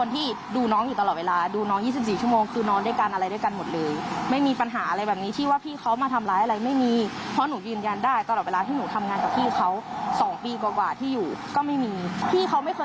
เต็มที่แค่ด่าดุด่าแล้วช่วยเหลือทุกอย่างที่น้องเขาแบบไม่มีไป